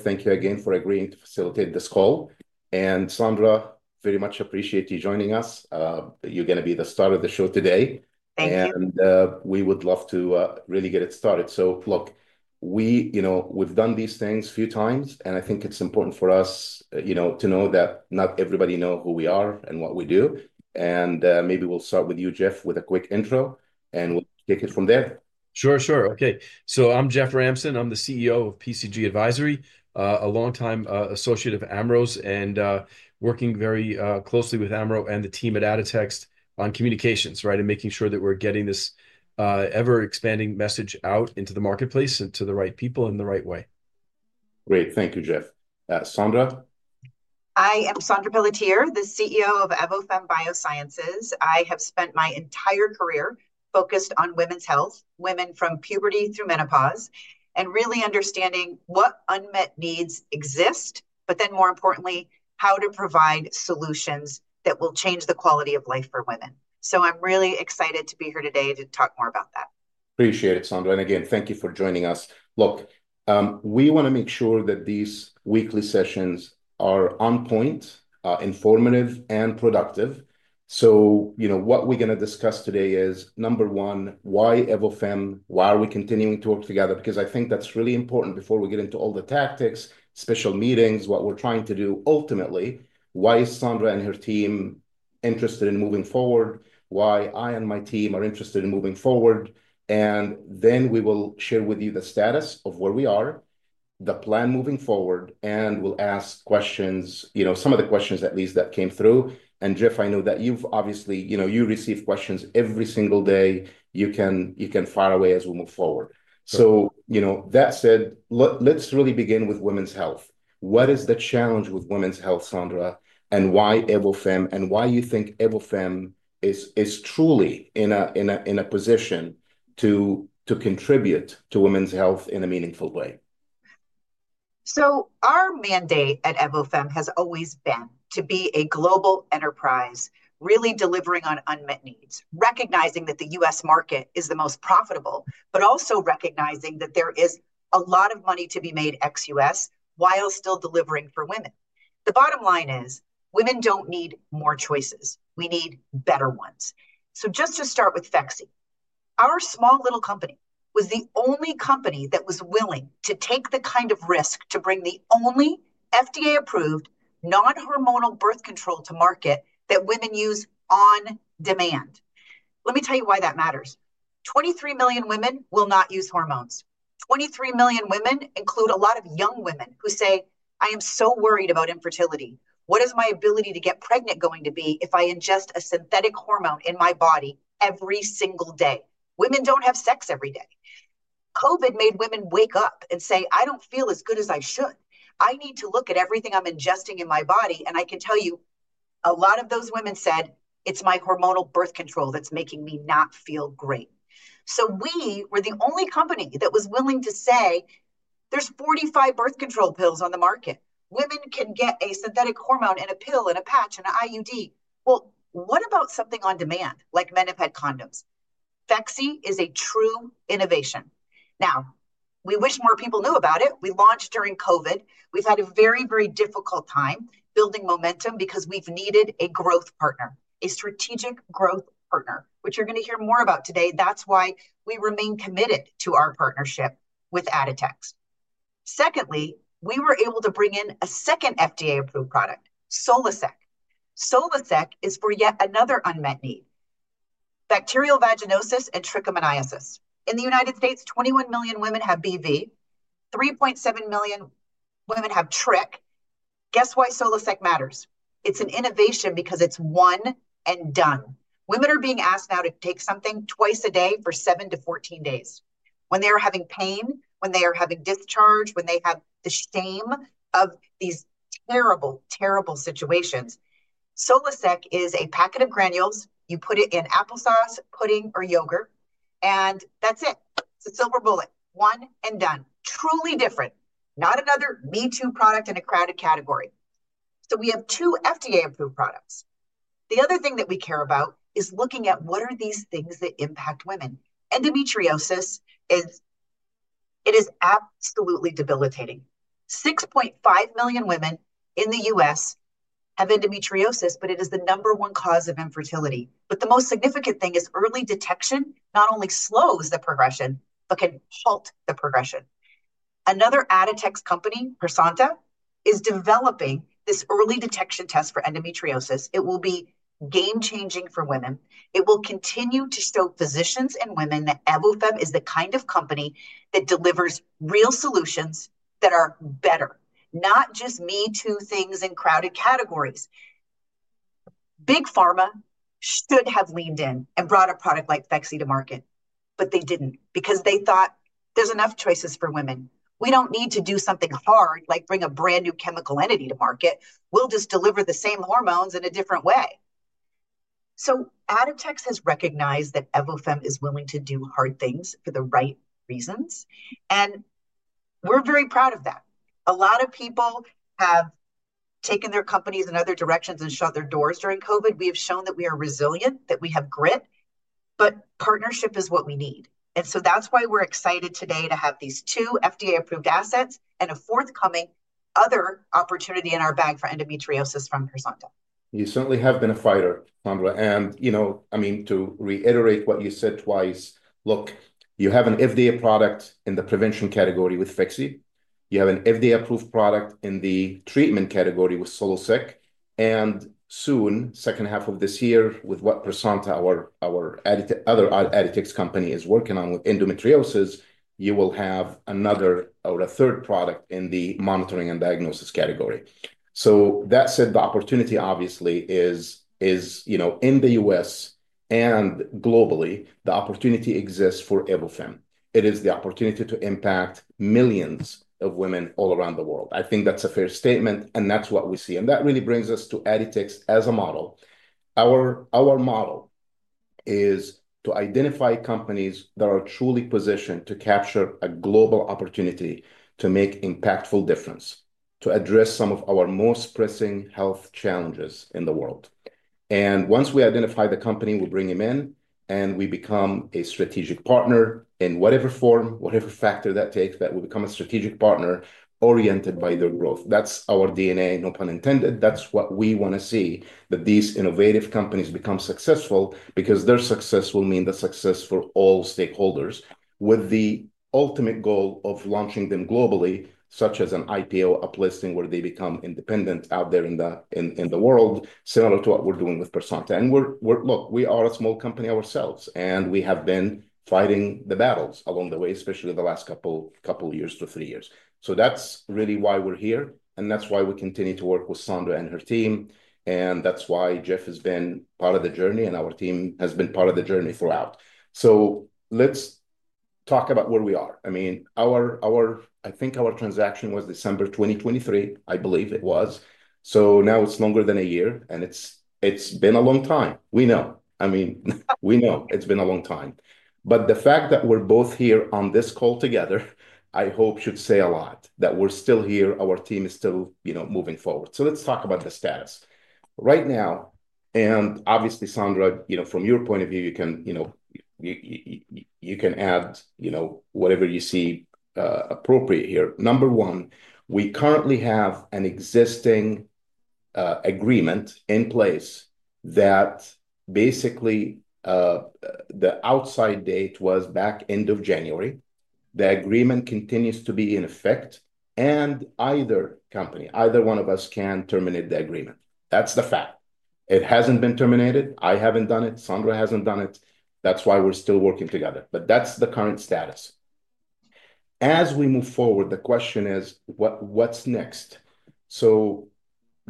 Thank you again for agreeing to facilitate this call. Saundra, very much appreciate you joining us. You're going to be the star of the show today. Thank you. We would love to really get it started. Look, we've done these things a few times, and I think it's important for us to know that not everybody knows who we are and what we do. Maybe we'll start with you, Jeff, with a quick intro, and we'll take it from there. Sure, sure. Okay. So I'm Jeff Ramson. I'm the CEO of PCG Advisory, a longtime associate of Amro's, and working very closely with Amro and the team at Aditxt on communications, and making sure that we're getting this ever-expanding message out into the marketplace and to the right people in the right way. Great. Thank you, Jeff. Saundra? I am Saundra Pelletier, the CEO of Evofem Biosciences. I have spent my entire career focused on women's health, women from puberty through menopause, and really understanding what unmet needs exist, but then more importantly, how to provide solutions that will change the quality of life for women. I am really excited to be here today to talk more about that. Appreciate it, Saundra. Again, thank you for joining us. Look, we want to make sure that these weekly sessions are on point, informative, and productive. What we are going to discuss today is, number one, why Evofem, why are we continuing to work together? I think that is really important before we get into all the tactics, special meetings, what we are trying to do ultimately. Why is Saundra and her team interested in moving forward? Why I and my team are interested in moving forward? We will share with you the status of where we are, the plan moving forward, and we will ask questions, some of the questions at least that came through. Jeff, I know that you have obviously received questions every single day. You can fire away as we move forward. That said, let's really begin with women's health. What is the challenge with women's health, Saundra, and why Evofem, and why you think Evofem is truly in a position to contribute to women's health in a meaningful way? Our mandate at Evofem has always been to be a global enterprise, really delivering on unmet needs, recognizing that the U.S. market is the most profitable, but also recognizing that there is a lot of money to be made ex-U.S. while still delivering for women. The bottom line is women do not need more choices. We need better ones. Just to start with Phexxi, our small little company was the only company that was willing to take the kind of risk to bring the only FDA-approved non-hormonal birth control to market that women use on demand. Let me tell you why that matters. 23 million women will not use hormones. 23 million women include a lot of young women who say, "I am so worried about infertility. What is my ability to get pregnant going to be if I ingest a synthetic hormone in my body every single day? Women don't have sex every day. COVID made women wake up and say, "I don't feel as good as I should. I need to look at everything I'm ingesting in my body." I can tell you, a lot of those women said, "It's my hormonal birth control that's making me not feel great." We were the only company that was willing to say, "There's 45 birth control pills on the market. Women can get a synthetic hormone in a pill and a patch and an IUD." What about something on demand, like men have had condoms? Phexxi is a true innovation. We wish more people knew about it. We launched during COVID. We've had a very, very difficult time building momentum because we've needed a growth partner, a strategic growth partner, which you're going to hear more about today. That's why we remain committed to our partnership with Aditxt. Secondly, we were able to bring in a second FDA-approved product, SOLOSEC. SOLOSEC is for yet another unmet need: bacterial vaginosis and trichomoniasis. In the United States, 21 million women have BV. 3.7 million women have trich. Guess why SOLOSEC matters? It's an innovation because it's one and done. Women are being asked now to take something twice a day for seven to 14 days. When they are having pain, when they are having discharge, when they have the shame of these terrible, terrible situations. SOLOSEC is a packet of granules. You put it in applesauce, pudding, or yogurt, and that's it. It's a silver bullet. One and done. Truly different. Not another me-too product in a crowded category. We have two FDA-approved products. The other thing that we care about is looking at what are these things that impact women. Endometriosis, it is absolutely debilitating. 6.5 million women in the U.S. have endometriosis, it is the number one cause of infertility. The most significant thing is early detection not only slows the progression, but can halt the progression. Another Aditxt company, Pearsanta, is developing this early detection test for endometriosis. It will be game-changing for women. It will continue to show physicians and women that Evofem is the kind of company that delivers real solutions that are better, not just me-too things in crowded categories. Big Pharma should have leaned in and brought a product like Phexxi to market, they did not because they thought, "There's enough choices for women. We do not need to do something hard like bring a brand new chemical entity to market. We will just deliver the same hormones in a different way. Aditxt has recognized that Evofem is willing to do hard things for the right reasons. We are very proud of that. A lot of people have taken their companies in other directions and shut their doors during COVID. We have shown that we are resilient, that we have grit, but partnership is what we need. That is why we are excited today to have these two FDA-approved assets and a forthcoming other opportunity in our bag for endometriosis from Pearsanta. You certainly have been a fighter, Saundra. I mean, to reiterate what you said twice, look, you have an FDA product in the prevention category with Phexxi. You have an FDA-approved product in the treatment category with SOLOSEC. Soon, second half of this year, with what Pearsanta, our other Aditxt company, is working on with endometriosis, you will have another or a third product in the monitoring and diagnosis category. That said, the opportunity obviously is in the U.S. and globally. The opportunity exists for Evofem. It is the opportunity to impact millions of women all around the world. I think that's a fair statement, and that's what we see. That really brings us to Aditxt as a model. Our model is to identify companies that are truly positioned to capture a global opportunity to make an impactful difference, to address some of our most pressing health challenges in the world. Once we identify the company, we bring them in, and we become a strategic partner in whatever form, whatever factor that takes, that we become a strategic partner oriented by their growth. That is our DNA, no pun intended. That is what we want to see, that these innovative companies become successful because their success will mean the success for all stakeholders with the ultimate goal of launching them globally, such as an IPO, uplisting where they become independent out there in the world, similar to what we are doing with Pearsanta. Look, we are a small company ourselves, and we have been fighting the battles along the way, especially the last couple of years to three years. That's really why we're here, and that's why we continue to work with Saundra and her team. That's why Jeff has been part of the journey, and our team has been part of the journey throughout. Let's talk about where we are. I mean, I think our transaction was December 2023, I believe it was. Now it's longer than a year, and it's been a long time. We know. I mean, we know it's been a long time. The fact that we're both here on this call together, I hope should say a lot that we're still here, our team is still moving forward. Let's talk about the status. Right now, and obviously, Saundra, from your point of view, you can add whatever you see appropriate here. Number one, we currently have an existing agreement in place that basically the outside date was back end of January. The agreement continues to be in effect, and either company, either one of us can terminate the agreement. That's the fact. It hasn't been terminated. I haven't done it. Saundra hasn't done it. That's why we're still working together. That's the current status. As we move forward, the question is, what's next?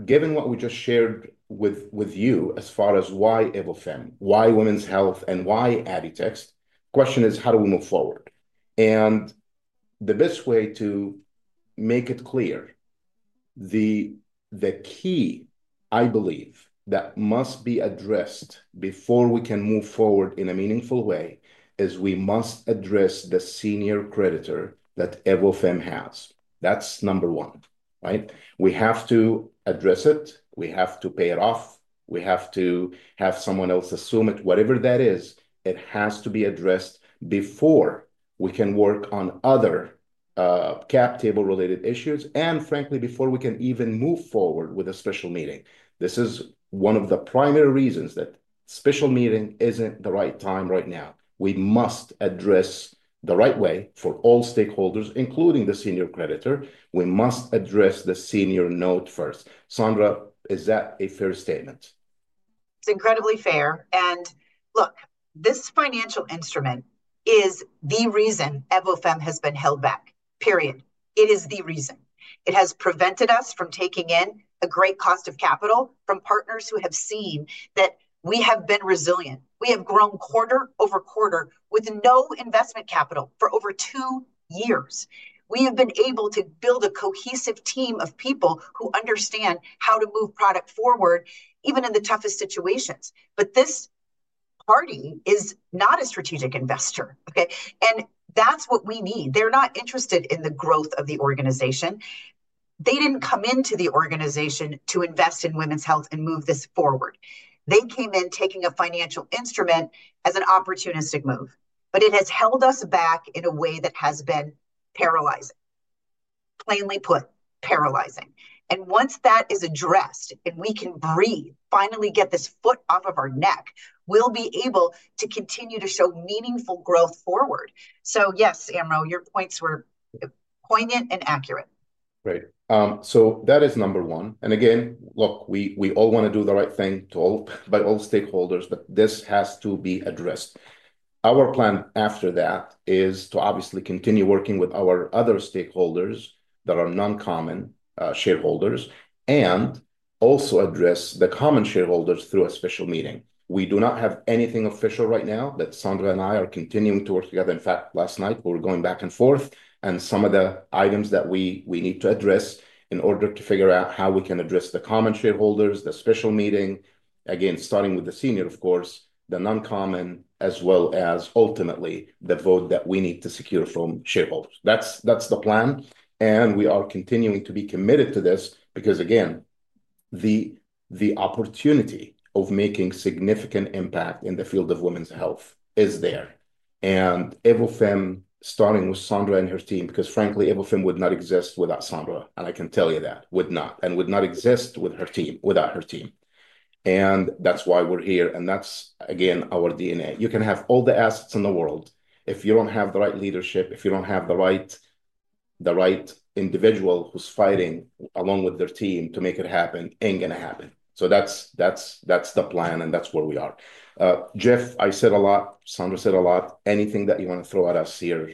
Given what we just shared with you as far as why Evofem, why women's health, and why Aditxt, the question is, how do we move forward? The best way to make it clear, the key, I believe, that must be addressed before we can move forward in a meaningful way is we must address the senior creditor that Evofem has. That's number one. We have to address it. We have to pay it off. We have to have someone else assume it. Whatever that is, it has to be addressed before we can work on other cap table-related issues and, frankly, before we can even move forward with a special meeting. This is one of the primary reasons that special meeting isn't the right time right now. We must address the right way for all stakeholders, including the senior creditor. We must address the senior note first. Saundra, is that a fair statement? It's incredibly fair. Look, this financial instrument is the reason Evofem has been held back, period. It is the reason. It has prevented us from taking in a great cost of capital from partners who have seen that we have been resilient. We have grown quarter over quarter with no investment capital for over two years. We have been able to build a cohesive team of people who understand how to move product forward, even in the toughest situations. This party is not a strategic investor. That's what we need. They're not interested in the growth of the organization. They didn't come into the organization to invest in women's health and move this forward. They came in taking a financial instrument as an opportunistic move. It has held us back in a way that has been paralyzing, plainly put, paralyzing. Once that is addressed and we can breathe, finally get this foot off of our neck, we'll be able to continue to show meaningful growth forward. Yes, Amro, your points were poignant and accurate. Great. That is number one. Again, look, we all want to do the right thing by all stakeholders, but this has to be addressed. Our plan after that is to obviously continue working with our other stakeholders that are non-common shareholders and also address the common shareholders through a special meeting. We do not have anything official right now that Saundra and I are continuing to work together. In fact, last night, we were going back and forth, and some of the items that we need to address in order to figure out how we can address the common shareholders, the special meeting, again, starting with the senior, of course, the non-common, as well as ultimately the vote that we need to secure from shareholders. That is the plan. We are continuing to be committed to this because, again, the opportunity of making significant impact in the field of women's health is there. Evofem, starting with Saundra and her team, because, frankly, Evofem would not exist without Saundra, and I can tell you that, would not, and would not exist without her team. That is why we are here. That is, again, our DNA. You can have all the assets in the world. If you do not have the right leadership, if you do not have the right individual who is fighting along with their team to make it happen, it is not going to happen. That is the plan, and that is where we are. Jeff, I said a lot. Saundra said a lot. Anything that you want to throw at us here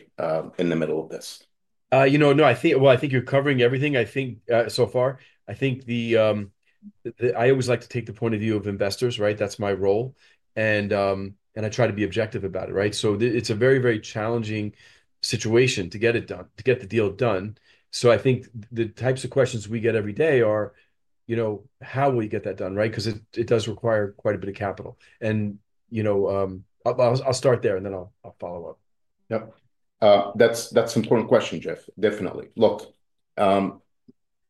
in the middle of this? No, I think you're covering everything, I think, so far. I think I always like to take the point of view of investors, right? That's my role. And I try to be objective about it, right? It is a very, very challenging situation to get it done, to get the deal done. I think the types of questions we get every day are, how will you get that done, right? Because it does require quite a bit of capital. I'll start there, and then I'll follow up. Yep. That's an important question, Jeff. Definitely. Look,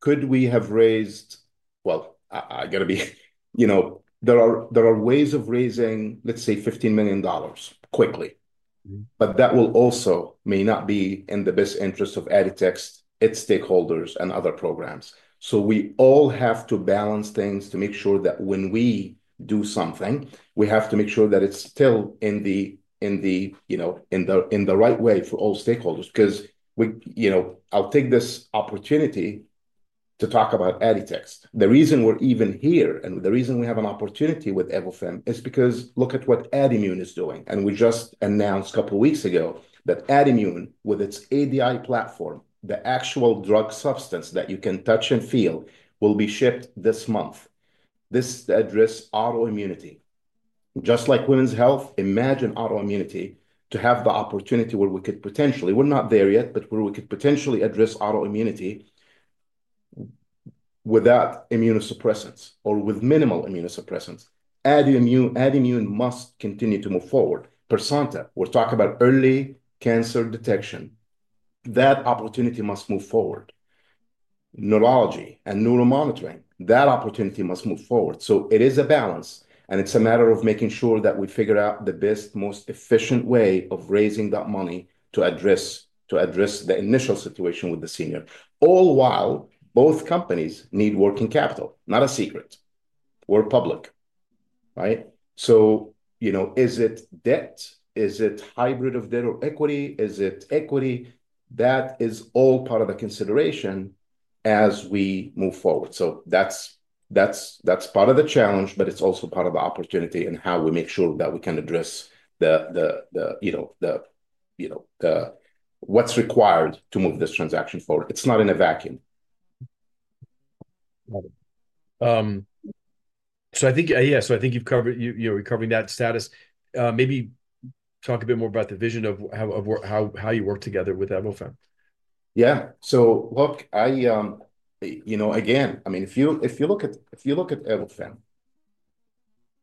could we have raised, well, I got to be, there are ways of raising, let's say, $15 million quickly. That will also may not be in the best interest of Aditxt, its stakeholders, and other programs. We all have to balance things to make sure that when we do something, we have to make sure that it's still in the right way for all stakeholders. I'll take this opportunity to talk about Aditxt. The reason we're even here and the reason we have an opportunity with Evofem is because look at what Adimune is doing. We just announced a couple of weeks ago that Adimune, with its ADI platform, the actual drug substance that you can touch and feel, will be shipped this month. This addresses autoimmunity. Just like women's health, imagine autoimmunity to have the opportunity where we could potentially, we're not there yet, but where we could potentially address autoimmunity without immunosuppressants or with minimal immunosuppressants. Adimune must continue to move forward. Pearsanta, we're talking about early cancer detection. That opportunity must move forward. Neurology and neuromonitoring, that opportunity must move forward. It is a balance, and it's a matter of making sure that we figure out the best, most efficient way of raising that money to address the initial situation with the senior, all while both companies need working capital. Not a secret. We're public, right? Is it debt? Is it hybrid of debt or equity? Is it equity? That is all part of the consideration as we move forward. That is part of the challenge, but it is also part of the opportunity and how we make sure that we can address what is required to move this transaction forward. It is not in a vacuum. I think you're covering that status. Maybe talk a bit more about the vision of how you work together with Evofem. Yeah. Look, again, I mean, if you look at Evofem,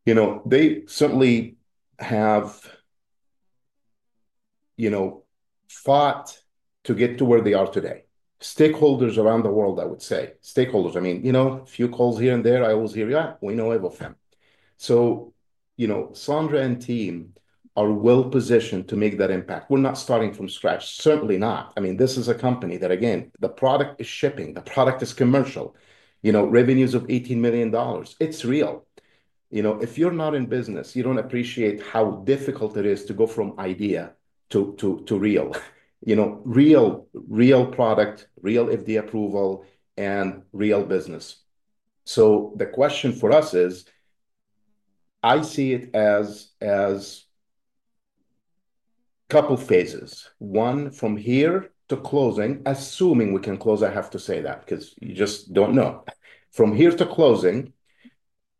they certainly have fought to get to where they are today. Stakeholders around the world, I would say. Stakeholders. I mean, a few calls here and there, I always hear, "Yeah, we know Evofem." Saundra and team are well-positioned to make that impact. We're not starting from scratch. Certainly not. I mean, this is a company that, again, the product is shipping. The product is commercial. Revenues of $18 million. It's real. If you're not in business, you don't appreciate how difficult it is to go from idea to real. Real product, real FDA approval, and real business. The question for us is, I see it as a couple of phases. One, from here to closing, assuming we can close, I have to say that because you just don't know. From here to closing,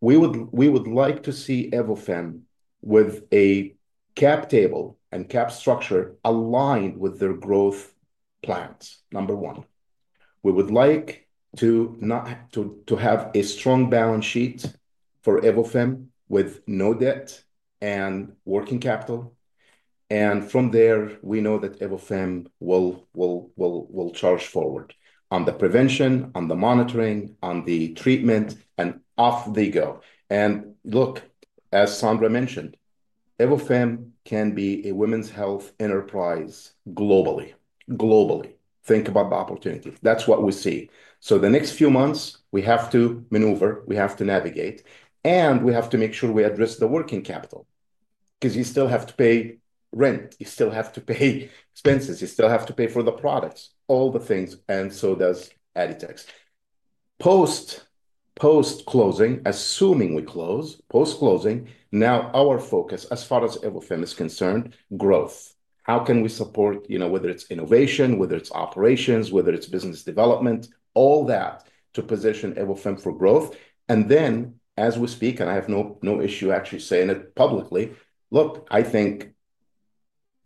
we would like to see Evofem with a cap table and cap structure aligned with their growth plans, number one. We would like to have a strong balance sheet for Evofem with no debt and working capital. From there, we know that Evofem will charge forward on the prevention, on the monitoring, on the treatment, and off they go. Look, as Saundra mentioned, Evofem can be a women's health enterprise globally. Globally. Think about the opportunity. That's what we see. The next few months, we have to maneuver. We have to navigate. We have to make sure we address the working capital because you still have to pay rent. You still have to pay expenses. You still have to pay for the products, all the things, and so does Aditxt. Post-closing, assuming we close, post-closing, now our focus, as far as Evofem is concerned, growth. How can we support, whether it's innovation, whether it's operations, whether it's business development, all that to position Evofem for growth? As we speak, and I have no issue actually saying it publicly, look, I think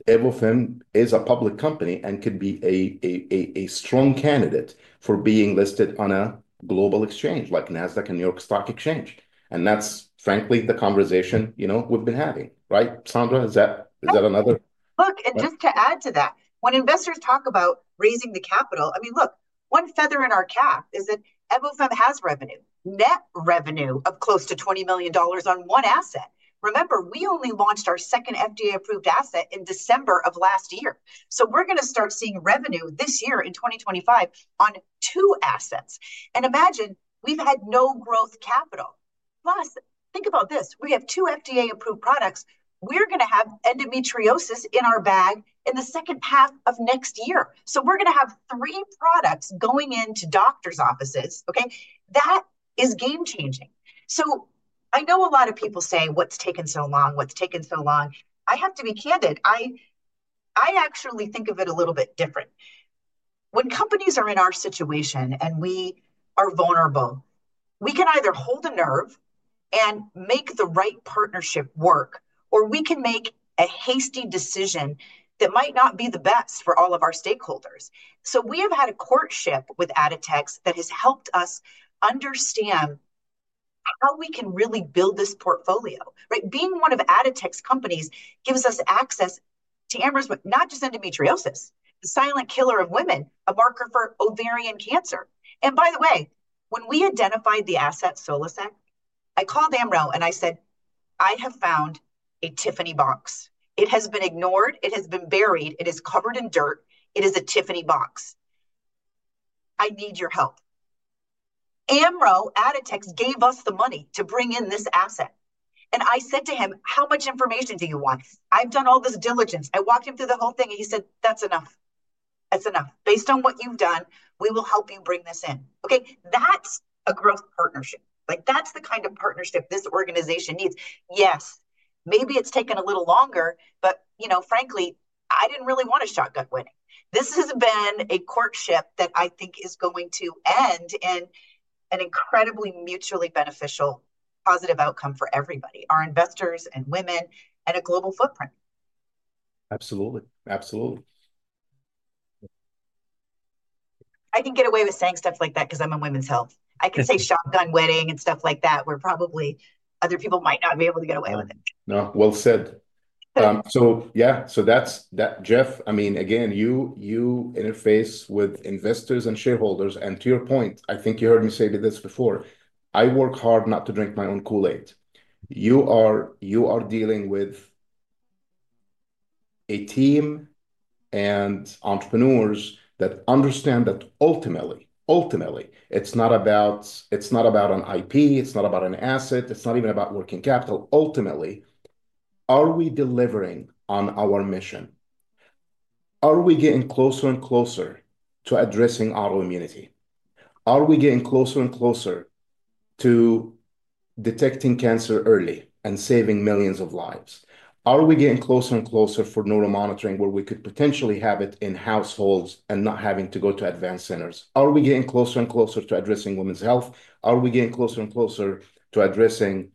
Evofem is a public company and could be a strong candidate for being listed on a global exchange like NASDAQ and New York Stock Exchange. That's, frankly, the conversation we've been having, right? Saundra, is that another? Look, and just to add to that, when investors talk about raising the capital, I mean, look, one feather in our cap is that Evofem has revenue, net revenue of close to $20 million on one asset. Remember, we only launched our second FDA-approved asset in December of last year. We are going to start seeing revenue this year in 2025 on two assets. Imagine we have had no growth capital. Plus, think about this. We have two FDA-approved products. We are going to have endometriosis in our bag in the second half of next year. We are going to have three products going into doctors' offices. That is game-changing. I know a lot of people say, "What's taken so long? What's taken so long?" I have to be candid. I actually think of it a little bit different. When companies are in our situation and we are vulnerable, we can either hold a nerve and make the right partnership work, or we can make a hasty decision that might not be the best for all of our stakeholders. We have had a courtship with Aditxt that has helped us understand how we can really build this portfolio. Being one of Aditxt companies gives us access to Amro's not just endometriosis, the silent killer of women, a marker for ovarian cancer. By the way, when we identified the asset SOLOSEC, I called Amro and I said, "I have found a Tiffany box. It has been ignored. It has been buried. It is covered in dirt. It is a Tiffany box. I need your help." Amro, Aditxt gave us the money to bring in this asset. I said to him, "How much information do you want? I've done all this diligence." I walked him through the whole thing. He said, "That's enough. That's enough. Based on what you've done, we will help you bring this in." Okay? That's a growth partnership. That's the kind of partnership this organization needs. Yes, maybe it's taken a little longer, but frankly, I didn't really want to shotgun wedding. This has been a courtship that I think is going to end in an incredibly mutually beneficial positive outcome for everybody, our investors and women and a global footprint. Absolutely. Absolutely. I can get away with saying stuff like that because I'm on Women's Health. I can say shotgun wedding and stuff like that where probably other people might not be able to get away with it. No. Well said. Yeah. That's Jeff. I mean, again, you interface with investors and shareholders. To your point, I think you heard me say this before. I work hard not to drink my own Kool-Aid. You are dealing with a team and entrepreneurs that understand that ultimately, ultimately, it's not about an IP. It's not about an asset. It's not even about working capital. Ultimately, are we delivering on our mission? Are we getting closer and closer to addressing autoimmunity? Are we getting closer and closer to detecting cancer early and saving millions of lives? Are we getting closer and closer for neuromonitoring where we could potentially have it in households and not having to go to advanced centers? Are we getting closer and closer to addressing women's health? Are we getting closer and closer to addressing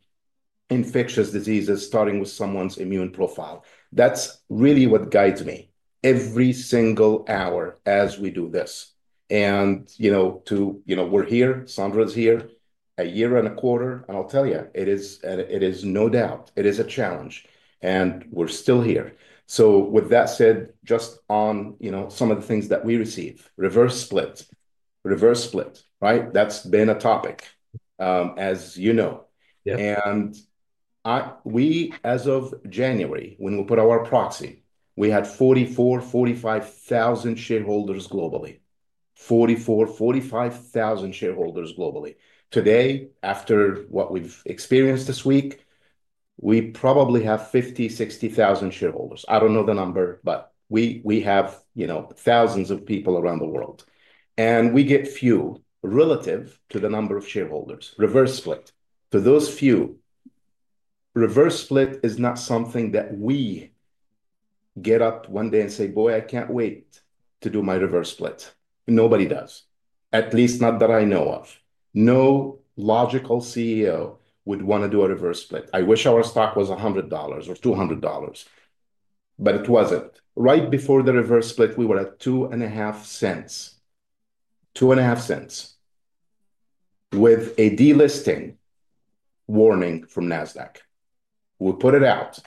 infectious diseases starting with someone's immune profile? That's really what guides me every single hour as we do this. We are here. Saundra is here a year and a quarter. I'll tell you, it is no doubt. It is a challenge. We are still here. With that said, just on some of the things that we receive, reverse split, reverse split, right? That's been a topic, as you know. As of January, when we put our proxy, we had 44,000-45,000 shareholders globally. 44,000-45,000 shareholders globally. Today, after what we've experienced this week, we probably have 50,000-60,000 shareholders. I don't know the number, but we have thousands of people around the world. We get few relative to the number of shareholders. Reverse split. For those few, reverse split is not something that we get up one day and say, "Boy, I can't wait to do my reverse split." Nobody does. At least not that I know of. No logical CEO would want to do a reverse split. I wish our stock was $100 or $200, but it wasn't. Right before the reverse split, we were at 2.5 cents. 2.5 cents with a delisting warning from NASDAQ. We put it out.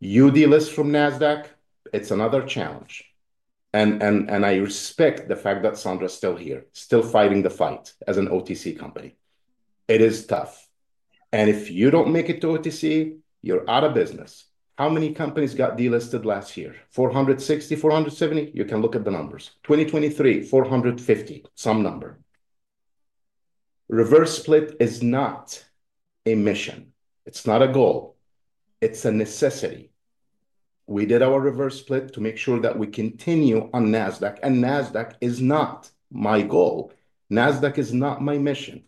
You delist from NASDAQ, it's another challenge. I respect the fact that Saundra is still here, still fighting the fight as an OTC company. It is tough. If you don't make it to OTC, you're out of business. How many companies got delisted last year? 460-470? You can look at the numbers. 2023, 450, some number. Reverse split is not a mission. It's not a goal. It's a necessity. We did our reverse split to make sure that we continue on NASDAQ. NASDAQ is not my goal. NASDAQ is not my mission.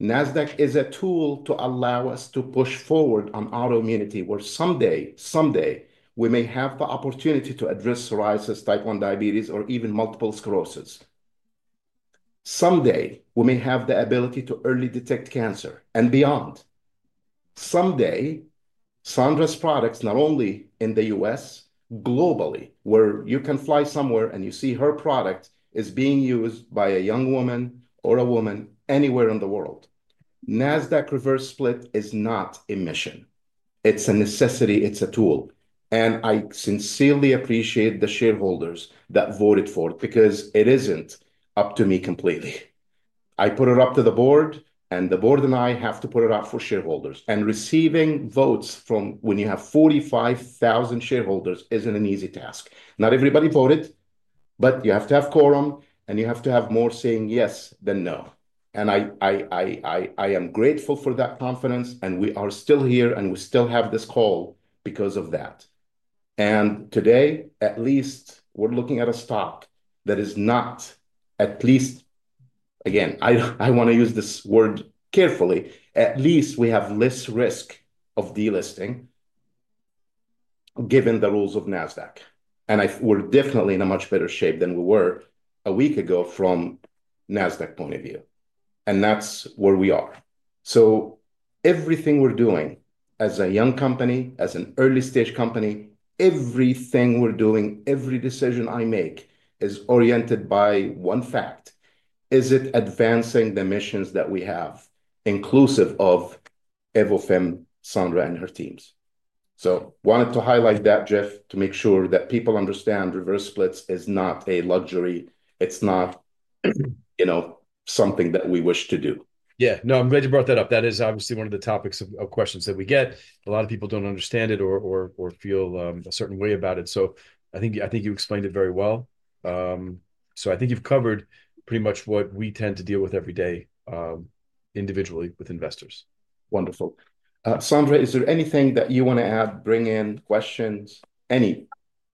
NASDAQ is a tool to allow us to push forward on autoimmunity where someday, someday, we may have the opportunity to address psoriasis, type 1 diabetes, or even multiple sclerosis. Someday, we may have the ability to early detect cancer and beyond. Someday, Saundra's products, not only in the U.S., globally, where you can fly somewhere and you see her product is being used by a young woman or a woman anywhere in the world. NASDAQ reverse split is not a mission. It is a necessity. It is a tool. I sincerely appreciate the shareholders that voted for it because it is not up to me completely. I put it up to the board, and the board and I have to put it up for shareholders. Receiving votes from when you have 45,000 shareholders is not an easy task. Not everybody voted, but you have to have quorum, and you have to have more saying yes than no. I am grateful for that confidence, and we are still here, and we still have this call because of that. Today, at least, we're looking at a stock that is not at least, again, I want to use this word carefully, at least we have less risk of delisting given the rules of NASDAQ. We are definitely in a much better shape than we were a week ago from NASDAQ point of view. That is where we are. Everything we're doing as a young company, as an early-stage company, everything we're doing, every decision I make is oriented by one fact. Is it advancing the missions that we have inclusive of Evofem, Saundra, and her teams? I wanted to highlight that, Jeff, to make sure that people understand reverse splits is not a luxury. It's not something that we wish to do. Yeah. No, I'm glad you brought that up. That is obviously one of the topics of questions that we get. A lot of people don't understand it or feel a certain way about it. I think you explained it very well. I think you've covered pretty much what we tend to deal with every day individually with investors. Wonderful. Saundra, is there anything that you want to add, bring in, questions? Any?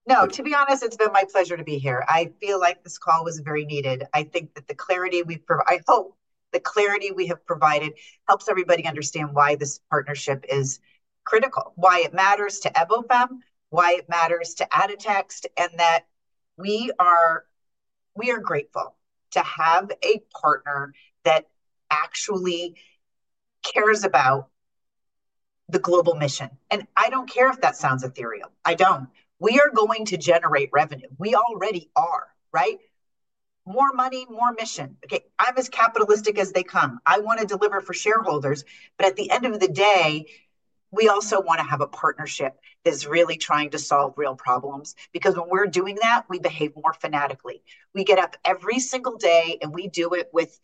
No. To be honest, it's been my pleasure to be here. I feel like this call was very needed. I think that the clarity we've provided, I hope the clarity we have provided helps everybody understand why this partnership is critical, why it matters to Evofem, why it matters to Aditxt, and that we are grateful to have a partner that actually cares about the global mission. I don't care if that sounds ethereal. I don't. We are going to generate revenue. We already are, right? More money, more mission. Okay. I'm as capitalistic as they come. I want to deliver for shareholders. At the end of the day, we also want to have a partnership that's really trying to solve real problems because when we're doing that, we behave more fanatically. We get up every single day, and we do it with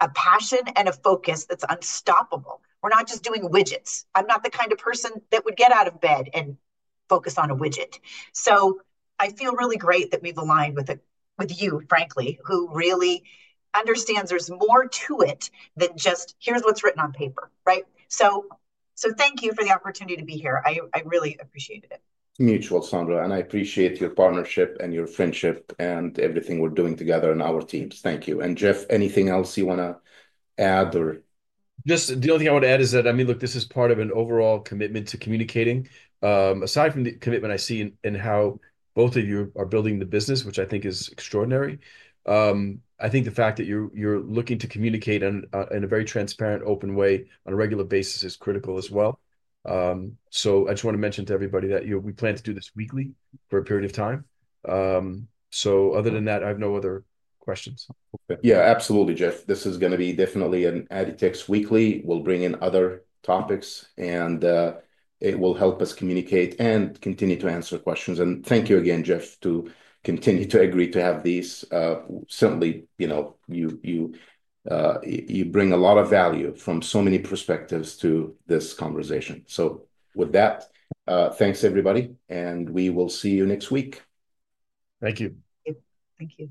a passion and a focus that's unstoppable. We're not just doing widgets. I'm not the kind of person that would get out of bed and focus on a widget. I feel really great that we've aligned with you, frankly, who really understands there's more to it than just, "Here's what's written on paper," right? Thank you for the opportunity to be here. I really appreciated it. Mutual, Saundra. I appreciate your partnership and your friendship and everything we are doing together and our teams. Thank you. Jeff, anything else you want to add or? Just the only thing I would add is that, I mean, look, this is part of an overall commitment to communicating. Aside from the commitment I see in how both of you are building the business, which I think is extraordinary, I think the fact that you're looking to communicate in a very transparent, open way on a regular basis is critical as well. I just want to mention to everybody that we plan to do this weekly for a period of time. Other than that, I have no other questions. Yeah, absolutely, Jeff. This is going to be definitely an Aditxt weekly. We'll bring in other topics, and it will help us communicate and continue to answer questions. Thank you again, Jeff, to continue to agree to have these. Certainly, you bring a lot of value from so many perspectives to this conversation. With that, thanks, everybody. We will see you next week. Thank you. Thank you.